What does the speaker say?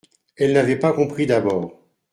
Elle n'avait pas compris d'abord.